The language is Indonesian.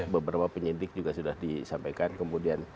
beberapa penyidik juga sudah disampaikan kemudian